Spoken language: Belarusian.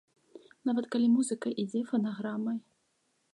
Нават калі музыка ідзе фанаграмай.